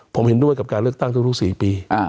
ผมเห็นด้วยกับการเลือกตั้งทุก๔ปี